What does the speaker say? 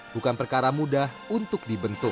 bukan perkara mudah untuk dibentuk